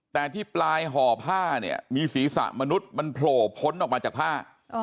แต่ที่ปลายห่อผ้าเนี่ยมีศีรษะมนุษย์มันโผล่พ้นออกมาจากผ้า